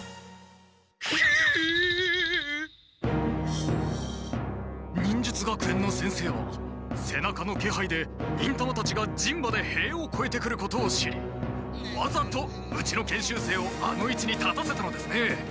ほう忍術学園の先生はせなかの気配で忍たまたちが人馬で塀をこえてくることを知りわざとうちの研修生をあのいちに立たせたのですね！